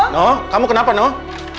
noh kamu kenapa noh